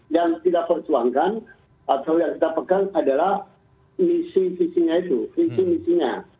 yang kita persuankan atau yang kita pegang adalah isi isinya itu isi isinya